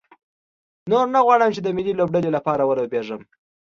نور نه غواړم چې د ملي لوبډلې لپاره ولوبېږم.